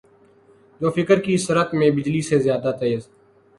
جو فکر کی سرعت میں بجلی سے زیادہ تیز